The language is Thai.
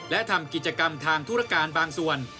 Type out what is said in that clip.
และทำกิจกรรมทางธุรการบางส่วน